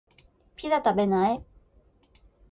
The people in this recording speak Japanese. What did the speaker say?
ピザ食べない？